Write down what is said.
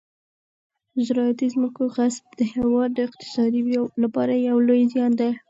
د زراعتي ځمکو غصب د هېواد د اقتصاد لپاره یو لوی زیان دی.